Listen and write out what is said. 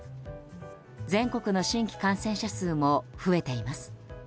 全国の新規感染者数も増えています。